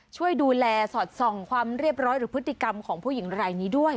ช่วยดูแลสอดส่องความเรียบร้อยหรือพฤติกรรมของผู้หญิงรายนี้ด้วย